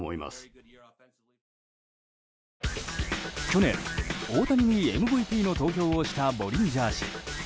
去年、大谷にＭＶＰの投票をしたボリンジャー氏。